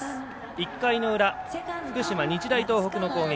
１回の裏福島、日大東北の攻撃。